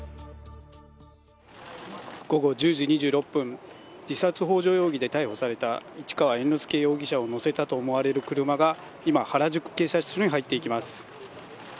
午後１０時２６分、自殺ほう助容疑で逮捕された市川猿之助容疑者を乗せたと思われる車が今、原宿警察署に入っていきます。